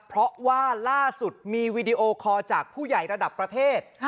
เพราะว่าล่าสุดมีวีดีโอคอร์จากผู้ใหญ่ระดับประเทศ